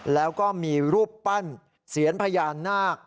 แล้วก็มีรูปปั้นเซียนพญานาค